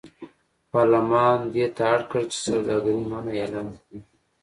پارلمان دې ته اړ کړ چې سوداګري منع اعلان کړي.